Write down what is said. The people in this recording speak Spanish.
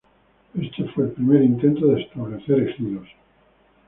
Esto fue el primer intento de establecer ejidos.